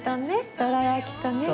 どら焼きと。